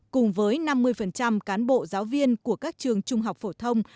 cùng với năm mươi cán bộ giáo viên của các trường trung học phổ thông